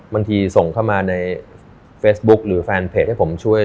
ส่งเข้ามาในเฟซบุ๊คหรือแฟนเพจให้ผมช่วย